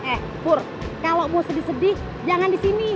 eh pur kalau mau sedih sedih jangan di sini